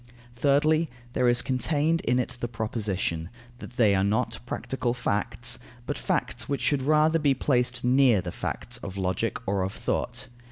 Thirdly, there is contained in it the proposition: that they are not practical facts, but facts which should rather be placed near the facts of logic or of thought.